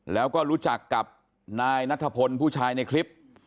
แล้วก็รู้จักกับนายนัทพลผู้ชายในคลิป